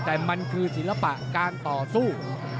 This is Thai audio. แต่มันคือศิลปะการต่อสู้